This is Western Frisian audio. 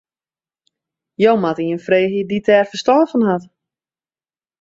Jo moatte ien freegje dy't dêr ferstân fan hat.